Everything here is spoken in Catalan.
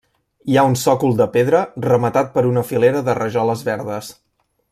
Hi ha un sòcol de pedra rematat per una filera de rajoles verdes.